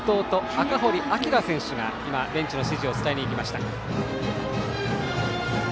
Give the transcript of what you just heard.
赤堀聖選手がベンチの指示を伝えに行きました。